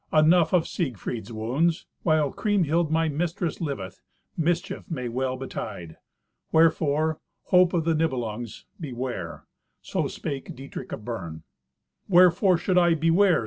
"Enough of Siegfried's wounds. While Kriemhild, my mistress, liveth, mischief may well betide. Wherefore, hope of the Nibelungs, beware!" So spake Dietrich of Bern. "Wherefore should I beware?"